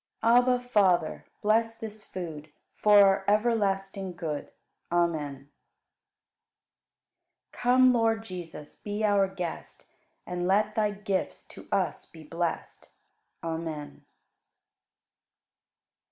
39. Abba, Father, bless this food For our everlasting good. Amen. 40. Come, Lord Jesus, be our Guest And let Thy gifts to us be blest. Amen.